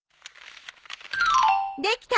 できた。